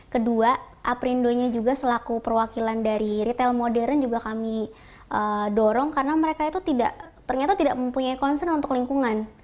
kedua aprindonya juga selaku perwakilan dari retail modern juga kami dorong karena mereka itu tidak ternyata tidak mempunyai concern untuk lingkungan